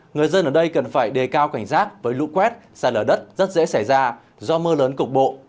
người dân ở đây cần phải đề cao cảnh giác với lũ quét xa lở đất rất dễ xảy ra do mưa lớn cục bộ